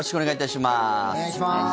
お願いします。